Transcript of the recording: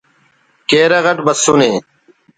کیرغ اٹ بسنے